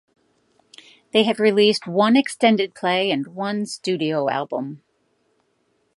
They have released one extended play and one studio album.